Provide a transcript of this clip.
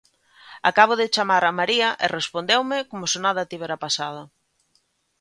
Acabo de chamar a María e respondeume como se nada tivera pasado.